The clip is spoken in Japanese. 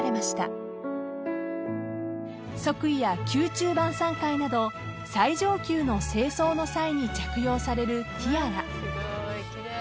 ［即位や宮中晩餐会など最上級の正装の際に着用されるティアラ］